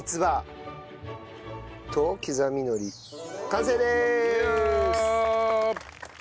完成でーす！